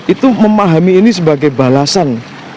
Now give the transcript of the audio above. itu memahami ini sebagai balasan